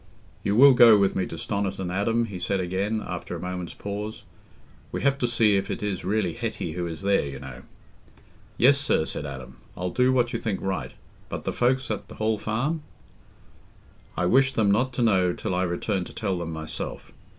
"You will go with me to Stoniton, Adam?" he said again, after a moment's pause. "We have to see if it is really Hetty who is there, you know." "Yes, sir," said Adam, "I'll do what you think right. But the folks at th' Hall Farm?" "I wish them not to know till I return to tell them myself.